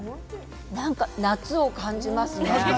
なんか夏を感じますね。